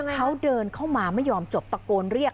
เขาเดินเข้ามาไม่ยอมจบตะโกนเรียก